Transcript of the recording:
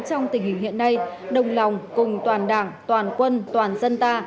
trong tình hình hiện nay đồng lòng cùng toàn đảng toàn quân toàn dân ta